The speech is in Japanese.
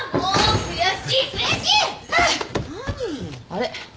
あれ？